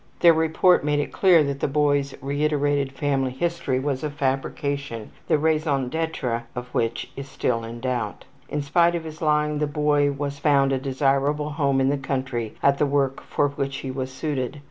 Their report made it clear that the boy's reiterated family history was a fabrication the raison d'etre of which is still in doubt. In spite of his lying the boy was found a desirable home in the country at the work for which he was suited.